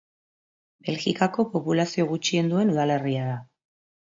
Belgikako populazio gutxien duen udalerria da.